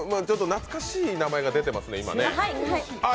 ちょっと懐かしい名前が出てますね、今ね。